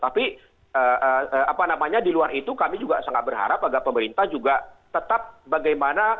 tapi apa namanya di luar itu kami juga sangat berharap agar pemerintah juga tetap bagaimana